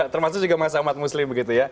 termasuk juga masyarakat muslim begitu ya